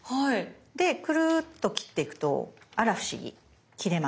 でくるっと切っていくとあら不思議切れます。